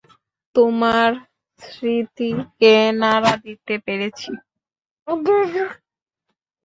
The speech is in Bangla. তোমার স্মৃতিকে নাড়া দিতে পেরেছি?